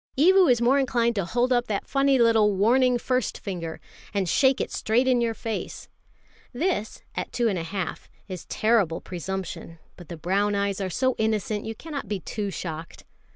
Evu is more inclined to hold up that funny little warning first finger, and shake it straight in your face. This, at two and a half, is terrible presumption; but the brown eyes are so innocent, you cannot be too shocked.